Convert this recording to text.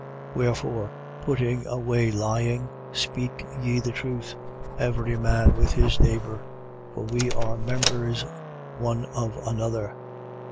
4:25. Wherefore, putting away lying, speak ye the truth, every man with his neighbour. For we are members one of another.